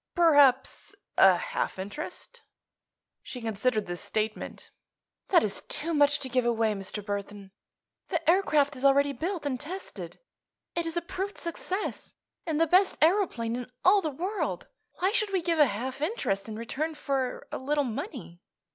"Perhaps a half interest." She considered this statement. "That is too much to give away, Mr. Burthon. The aircraft is already built and tested. It is a proved success, and the best aëroplane in all the world. Why should we give a half interest in return for a little money?"